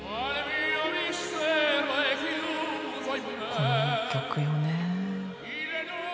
この曲よね。